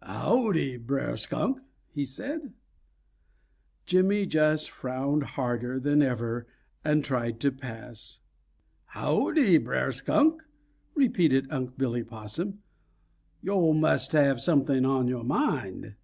"Howdy, Brer Skunk," said he. Jimmy just frowned harder than ever and tried to pass. "Howdy, Brer Skunk," repeated Unc' Billy Possum. "Yo' must have something on your mind."